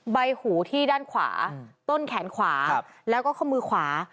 ใบหูที่ด้านขวาต้นแขนขวาแล้วก็ข้อมือขวา